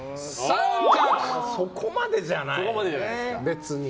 そこまでじゃないね、別に。